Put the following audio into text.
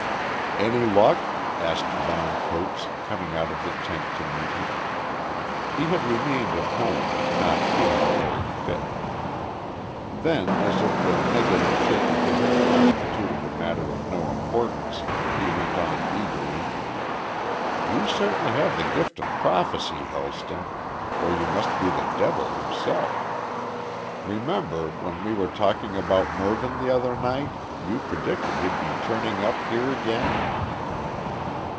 "Any luck?" asked Varne Coates, coming out of the tent to meet him. He had remained at home, not feeling very fit. Then, as if the negative shake of the head constituted a matter of no importance, he went on eagerly: "You certainly have the gift of prophecy, Helston, or you must be the devil himself. Remember, when we were talking about Mervyn the other night, you predicted he'd be turning up here again?"